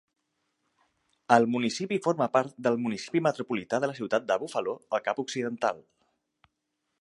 El municipi forma part del Municipi Metropolità de la Ciutat de Buffalo al Cap Occidental.